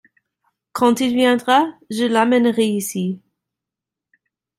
Quand il viendra je l’amènerai ici.